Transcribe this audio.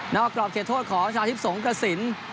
อกกรอบเขตโทษของชาทิพย์สงกระสิน